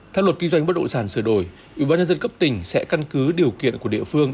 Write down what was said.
theo luật kinh doanh bất động sản sửa đổi ủy ban nhân dân cấp tỉnh sẽ căn cứ điều kiện của địa phương